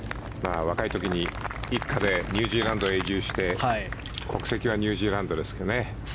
若い時に一家でニュージーランドへ移住して国籍はニュージーランドですけどね。